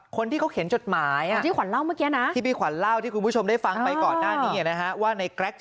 คนที่เห็นจดหมายโที่ขวัญเล่าเมื่อกี้นะ